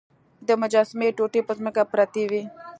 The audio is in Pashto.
د مجسمې ټوټې په ځمکه پرتې وې.